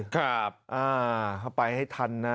เข้าไปให้ทันนะ